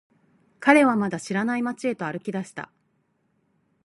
彼はまだ知らない街へと歩き出した。